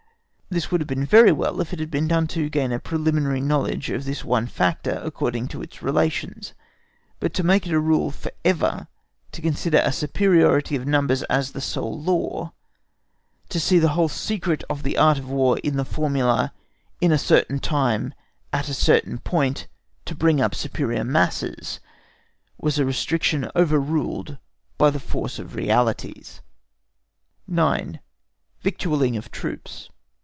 This would have been very well if it had been done to gain a preliminary knowledge of this one factor, according to its relations, but to make it a rule for ever to consider superiority of numbers as the sole law; to see the whole secret of the Art of War in the formula, in a certain time, at a certain point, to bring up superior masses—was a restriction overruled by the force of realities. 9. VICTUALLING OF TROOPS.